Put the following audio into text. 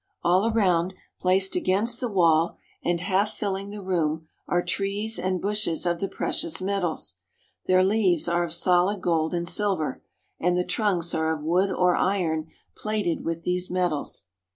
All around, placed against the wall and half filling the room, are trees and bushes of the precious metals. Their leaves are of solid gold and silver, and the trunks are of wood or iron plated with these metals.